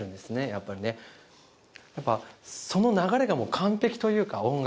やっぱりねやっぱその流れがもう完璧というか音楽